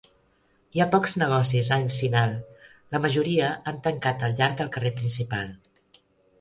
Hi ha pocs negocis a Encinal; la majoria han tancat al llarg del carrer principal.